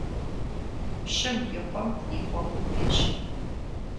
Пщым и къуэм и гъуэгум пещэ.